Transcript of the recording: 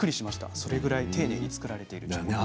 それぐらい丁寧に作られています。